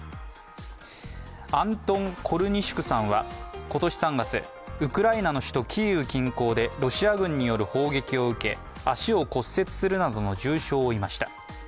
アントン・コルニシュクさんは今年３月、ウクライナの首都キーウ近郊でロシア軍による砲撃を受け足を骨折するなどの重傷を負いました。